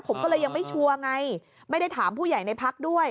ผมก็เลยยังไม่ชัวร์ไงไม่ได้ถามผู้ใหญ่ในพักด้วย